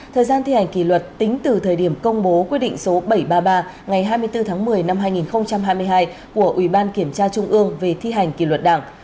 thời gian thi hành kỷ luật tính từ thời điểm công bố quyết định số bảy trăm ba mươi ba ngày hai mươi bốn tháng một mươi năm hai nghìn hai mươi hai của ubktv về thi hành kỷ luật đảng